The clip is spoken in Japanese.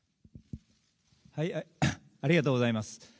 ありがとうございます。